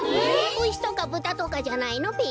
うしとかぶたとかじゃないのべ？